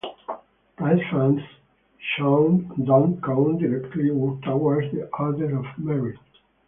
Prize funds shown do not count directly towards the Order of Merit.